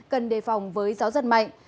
cần đề phòng với gió giật mạnh